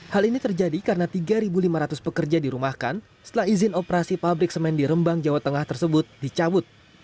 hal ini terjadi karena tiga lima ratus pekerja dirumahkan setelah izin operasi pabrik semen di rembang jawa tengah tersebut dicabut